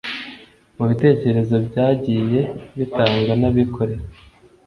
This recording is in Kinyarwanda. Mu bitekerezo byagiye bitangwa n’abikorera